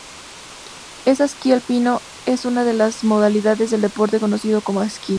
El esquí alpino es una de las modalidades del deporte conocido como esquí.